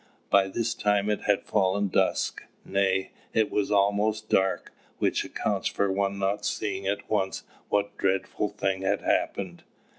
By this time it had fallen dusk nay, it was almost dark, which accounts for one not seeing at once what dreadful thing had happened.